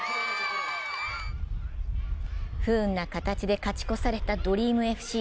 不運な形で勝ち越されたＤＲＥＡＭＦＣ。